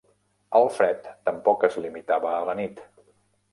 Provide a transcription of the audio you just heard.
El fred tampoc es limitava a la nit.